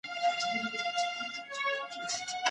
محیط د پرمختګ لپاره ګټور دی.